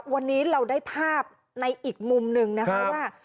วันนี้เราได้ภาพในอีกมุมหนึ่งนะคะว่า